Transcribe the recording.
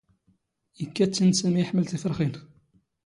ⵉⴽⴽⴰ ⵜⵜ ⵉⵏⵏ ⵙⴰⵎⵉ ⵉⵃⵎⵍ ⵜⵉⴼⵔⵅⵉⵏ.